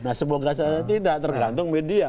nah semoga saja tidak tergantung media